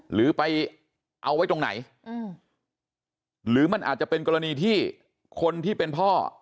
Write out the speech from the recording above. หรือไปเอาไว้ตรงไหนหรือมันอาจจะเป็นกรณีที่คนที่เป็นพ่อ